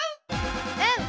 うん！